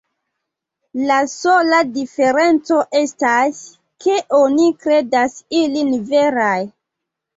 La sola diferenco estas, ke oni kredas ilin veraj.